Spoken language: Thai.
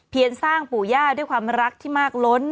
สร้างปู่ย่าด้วยความรักที่มากล้น